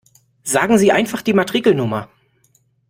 Sagen Sie einfach die Matrikelnummer!